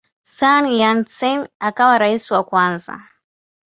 Sun Yat-sen akawa rais wa kwanza.